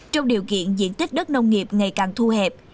trong điều kiện diện tích đất nông nghiệp ngày càng thu hẹp